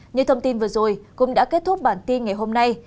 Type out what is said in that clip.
những thông tin vừa rồi cũng đã kết thúc bản tin ngày hôm nay